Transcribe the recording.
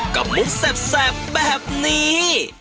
กับมุกแสบแสบแบบนี้